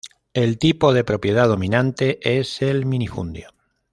El tipo de propiedad dominante es el minifundio.